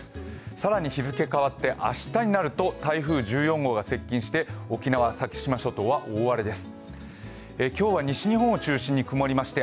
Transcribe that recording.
更に日付変わって明日になると台風１４号が接近して沖縄・先島諸島は大荒れです。